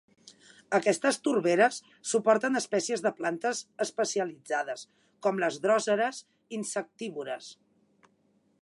Aquestes torberes suporten espècies de plantes especialitzades com les dròseres insectívores.